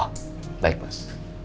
oh baik bos